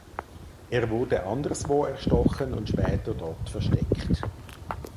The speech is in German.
Er wurde anderswo erstochen und später dort versteckt.